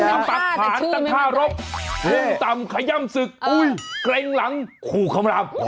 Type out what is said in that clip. มันยังปักผ่านตั้งท่ารพเพิ่มต่ำขย้ำศึกแกร่งหลังคู่ข้อมราม